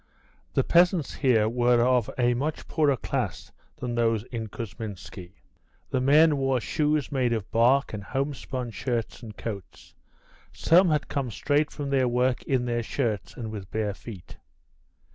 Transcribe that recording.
The peasants here were of a much poorer class than those in Kousminski. The men wore shoes made of bark and homespun shirts and coats. Some had come straight from their work in their shirts and with bare feet.